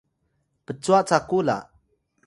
pcwa caku la?